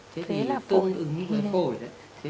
thế thì tương ứng với phổi đấy